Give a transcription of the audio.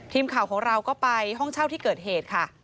ทีมข่าวของเราก็ไปห้องเช่าที่เกิดเหตุค่ะ